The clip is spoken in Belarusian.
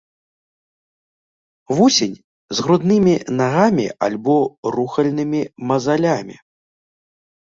Вусень з груднымі нагамі альбо рухальнымі мазалямі.